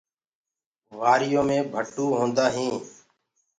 وآريو مي ڀٽو هوندآ هينٚ۔